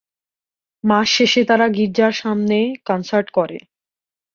মাস শেষে তারা গির্জার সামনে কনসার্ট করে।